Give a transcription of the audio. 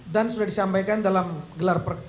dan sudah disampaikan dalam gelar